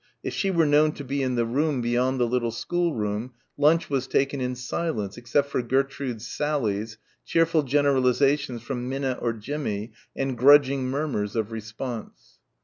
If she were known to be in the room beyond the little schoolroom, lunch was taken in silence except for Gertrude's sallies, cheerful generalisations from Minna or Jimmie, and grudging murmurs of response.